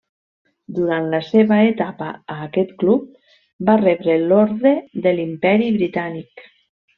Durant la seva etapa a aquest club va rebre l'Orde de l'Imperi Britànic.